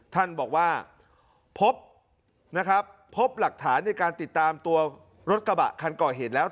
ท่านบอกว่าพบนะครับพบหลักฐานในการติดตามตัวรถกระบะคันก่อเหตุแล้ว